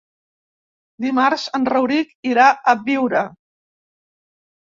Dimarts en Rauric irà a Biure.